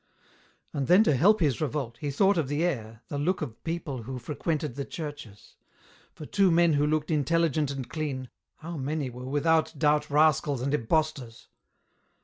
And then to help his revolt, he thought of the air, the look of people who frequented the churches ; for two men who looked intelligent and clean, how many were without doubt rascals and impostors